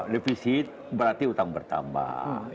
defisit berarti utang bertambah